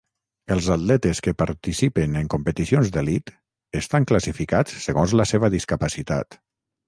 Els atletes que participen en competicions d'elit estan classificats segons la seva discapacitat.